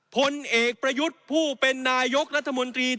ผลเอกประยุทธ์ผู้เป็นนายกรัฐมนตรี